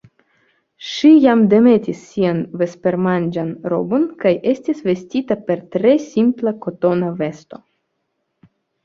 Ŝi jam demetis sian vespermanĝan robon kaj estis vestita per tre simpla kotona vesto.